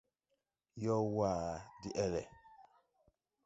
Yo / Yowa Deʼele :